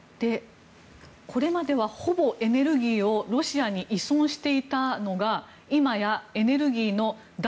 これまではほぼエネルギーをロシアに依存していたのが今やエネルギーの脱